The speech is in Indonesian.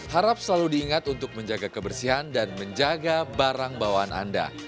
harap selalu diingat untuk menjaga kebersihan dan menjaga barang bawaan anda